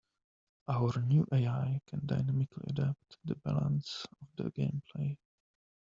Our new AI can dynamically adapt the balance of the gameplay.